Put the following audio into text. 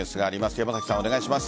山崎さん、お願いします。